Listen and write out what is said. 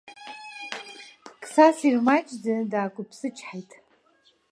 Қсас ирмаҷӡаны даақәыԥсычҳаит.